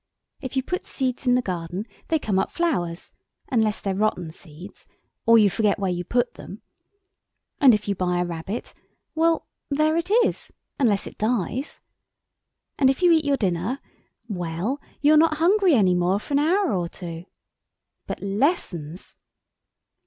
If you put seeds in the garden they come up flowers, unless they're rotten seeds or you forget where you put them. And if you buy a rabbit—well, there it is, unless it dies. And if you eat your dinner—well, you're not hungry any more for an hour or two. But lessons!"